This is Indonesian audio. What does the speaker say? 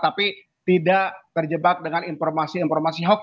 tapi tidak terjebak dengan informasi informasi hoax